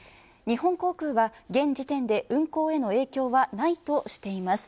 日本航空は現時点で運航への影響はないとしています。